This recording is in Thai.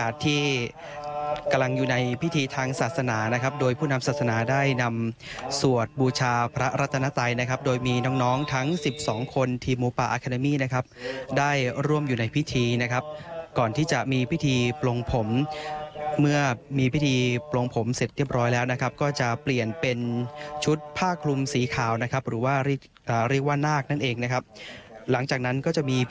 ที่กำลังอยู่ในพิธีทางศาสนานะครับโดยผู้นำศาสนาได้นำสวดบูชาพระรัตนไตยนะครับโดยมีน้องน้องทั้ง๑๒คนทีมหมูป่าอาคาเดมี่นะครับได้ร่วมอยู่ในพิธีนะครับก่อนที่จะมีพิธีปลงผมเมื่อมีพิธีปลงผมเสร็จเรียบร้อยแล้วนะครับก็จะเปลี่ยนเป็นชุดผ้าคลุมสีขาวนะครับหรือว่าเรียกว่านาคนั่นเองนะครับหลังจากนั้นก็จะมี